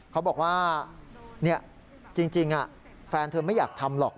เขาบอกว่าจริงแฟนเธอไม่อยากทำหรอก